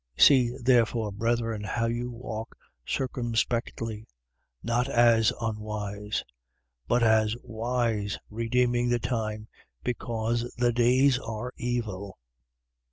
5:15. See therefore, brethren, how you walk circumspectly: not as unwise, 5:16. But as wise: redeeming the time, because the days are evil.